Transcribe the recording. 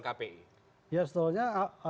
kpi ya sebetulnya